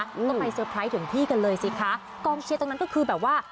ก็ไปเตอร์ไพรส์ถึงที่กันเลยสิคะกองเชียร์ตรงนั้นก็คือแบบว่า